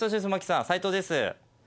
斎藤です。